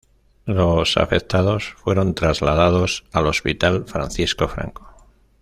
Los afectados fueron trasladados al Hospital Francisco Franco.